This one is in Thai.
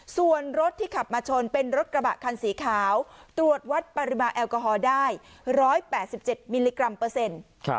ส่วนรถที่ขับมาชนเป็นรถกระบะคันสีขาวตรวจวัดปริมาณแอลกอฮอล์ได้๑๘๗มิลลิกรัมเปอร์เซ็นต์